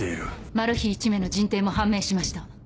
マル被１名の人定も判明しました。